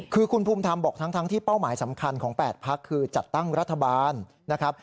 คือคุณภูมิธรรมบอกทั้งที่เป้าหมายสำคัญของ๘พักคือจัดตั้งรัฐบาลนะครับ